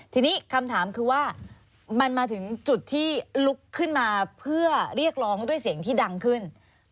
ทีนี้คำถามคือว่ามันมาถึงจุดที่ลุกขึ้นมาเพื่อเรียกร้องด้วยเสียงที่ดังขึ้น